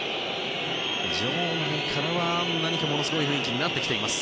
場内からはものすごい雰囲気になっています。